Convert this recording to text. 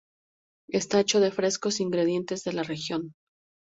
Está hecho de frescos ingredientes de la región.